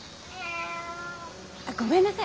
あっごめんなさい。